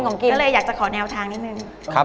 ก็เลยอยากจะขอแนวทางนิดนึง